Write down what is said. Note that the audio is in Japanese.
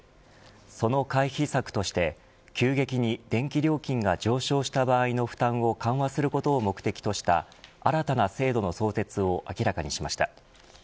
その回避策として急激に電気料金が上昇した場合の負担を緩和することを目的とした新たな制度の創設を明らかにしました。